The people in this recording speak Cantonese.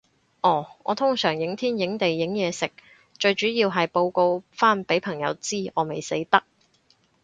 哦，我通常影天影地影嘢食，最主要係報告返畀朋友知，我未死得